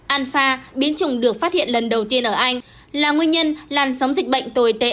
anfa biến chủng được phát hiện lần đầu tiên ở anh là nguyên nhân làn sóng dịch bệnh tồi tệ